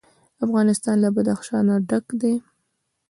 افغانستان له بدخشان ډک دی.